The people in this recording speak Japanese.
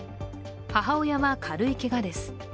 母親は軽いけがです。